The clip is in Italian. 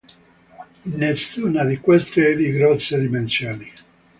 Nessuna di queste è di grosse dimensioni.